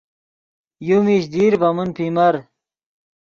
یو میش دیر ڤے من پیمر